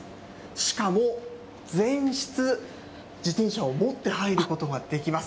しかも全室、自転車を持って入ることができます。